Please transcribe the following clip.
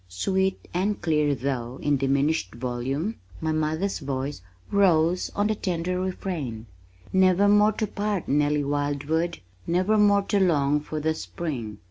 Sweet and clear though in diminished volume, my mother's voice rose on the tender refrain: Never more to part, Nellie Wildwood Never more to long for the spring.